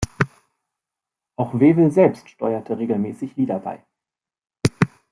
Auch Wewel selbst steuerte regelmäßig Lieder bei.